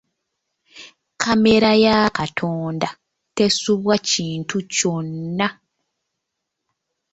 Kkamera ya Katonda tesubwa kintu kyonna.